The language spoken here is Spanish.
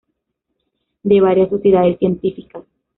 De varias sociedades científicas